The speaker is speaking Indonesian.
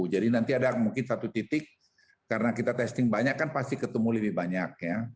jadi nanti ada mungkin satu titik karena kita testing banyak kan pasti ketemu lebih banyak